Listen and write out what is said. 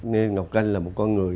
ngê ngọc canh là một con người